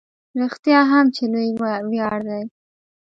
رښتیا هم چې لوی ویاړ دی.